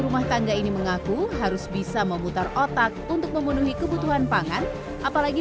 rumah tangga ini mengaku harus bisa memutar otak untuk memenuhi kebutuhan pangan apalagi